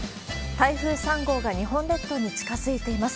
台風３号が日本列島に近づいています。